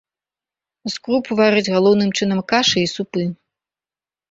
З круп вараць галоўным чынам кашы і супы.